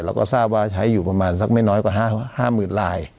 เราก็ทราบว่าใช้อยู่ประมาณสักไม่น้อยกว่า๕๐๐๐ลาย